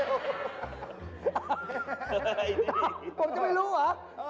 ต้องผมจะไม่รู้เหรอ